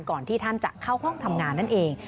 ก่อนที่ท่านจะเข้าห้องทำงานนั่นเอง